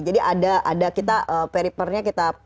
jadi ada peripernya kita